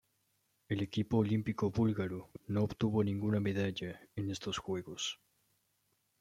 El equipo olímpico búlgaro no obtuvo ninguna medalla en estos Juegos.